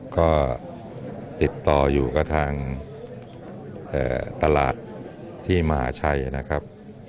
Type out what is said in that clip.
ก็ติดต่ออยู่กับทางตลาดที่มหาชัยนะครับ